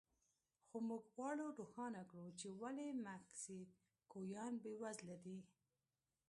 خو موږ غواړو روښانه کړو چې ولې مکسیکویان بېوزله دي.